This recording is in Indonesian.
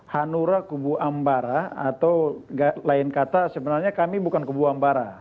hanura kubu ambara atau lain kata sebenarnya kami bukan kubu ambara